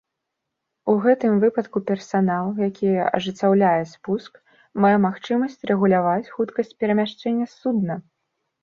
У гэтым выпадку персанал, які ажыццяўляе спуск, мае магчымасць рэгуляваць хуткасць перамяшчэння судна.